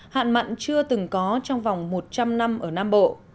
hạn mặn chưa từng có trong vòng một trăm linh năm ở nam bộ